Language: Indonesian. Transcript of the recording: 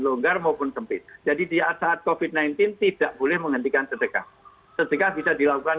longgar maupun sempit jadi dia saat covid sembilan belas tidak boleh menghentikan sedekah sedekah bisa dilakukan